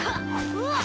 うわっ！